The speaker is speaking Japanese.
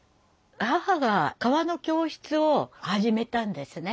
母が革の教室を始めたんですね。